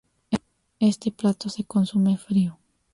Este plato se consume frío.